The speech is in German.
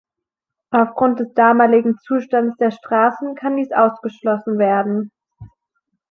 Aufgrund des damaligen Zustands der Straßen kann dies ausgeschlossen werden.